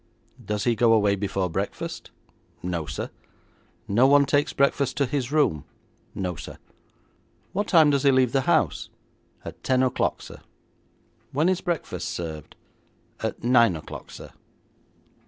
'Does he go away before breakfast?' 'No, sir.' 'No one takes breakfast to his room?' 'No, sir.' 'What time does he leave the house?' 'At ten o'clock, sir.' 'When is breakfast served?' 'At nine o'clock, sir.'